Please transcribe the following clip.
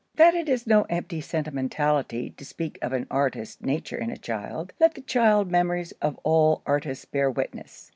That it is no empty sentimentality to speak of an artist nature in a child, let the child memories of all artists bear witness!